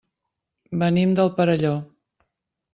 Venim del Perelló.